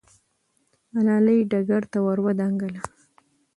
ملالۍ ډګر ته ور دانګله.